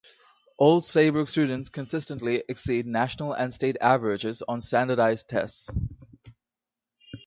Old Saybrook students consistently exceed national and state averages on standardized tests.